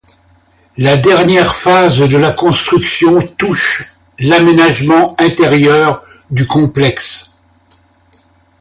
La dernière phase de la construction touche l'aménagement intérieur du complexe.